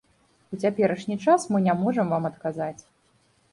У цяперашні час мы не можам вам адказаць.